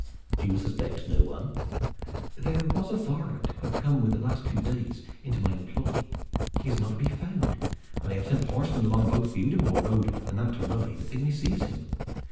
"Do you suspect no one?" "There was a varlet who hath come with the last few days into my employ. He is not to be found, and I have sent horsemen along both the Udimore road and that to Rye, that they may seize him.